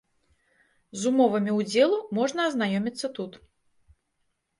З умовамі ўдзелу можна азнаёміцца тут.